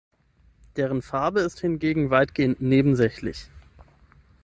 Deren Farbe ist hingegen weitgehend nebensächlich.